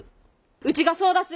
うちがそうだす。